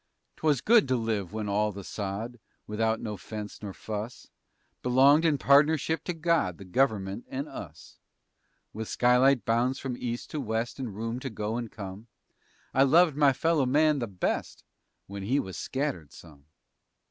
_ 'Twas good to live when all the sod, Without no fence nor fuss, Belonged in pardnership to God, The Gover'ment and us. With skyline bounds from east to west And room to go and come, I loved my fellow man the best When he was scattered some.